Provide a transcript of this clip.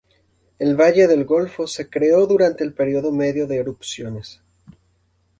El valle de El Golfo se creó durante el periodo medio de erupciones.